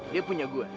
dia punya gue